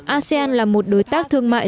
asean là một đối tác thương mại